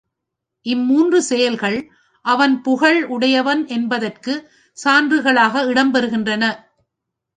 இம்மூன்று செயல்கள் அவன் புகழ் உடையவன் என்பதற்குச் சான்றுகளாக இடம்பெறுகின்றன.